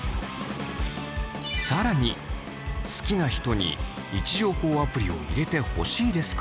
更に好きな人に位置情報アプリを入れてほしいですか？